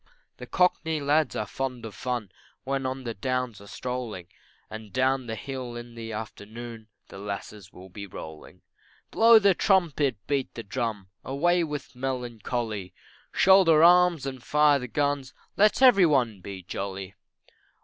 The Cockney lads are fond of fun, When on the downs are strolling, And down the hill in the afternoon The lasses will be rolling. Blow the trumpet, beat the drum, Away with melancholy, Shoulder arms and fire the guns, Let every one be jolly.